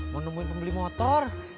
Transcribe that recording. mau nungguin pembeli motor